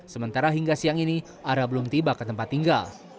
sementara hingga siang ini ara belum tiba ke tempat tinggal